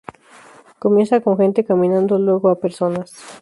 Comienza con gente caminando luego a personas.